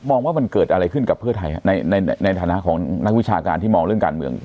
มองว่ามันเกิดอะไรขึ้นกับเพื่อไทยในฐานะของนักวิชาการที่มองเรื่องการเมือง